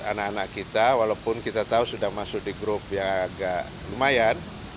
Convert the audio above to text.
anak anak kita walaupun kita tahu sudah masuk di grup yang agak lumayan